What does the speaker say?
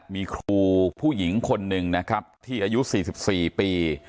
มีครูผู้หญิงคนนึงนะครับที่อายุสี่สิบสี่ปี